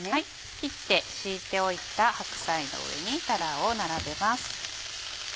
切って敷いておいた白菜の上にたらを並べます。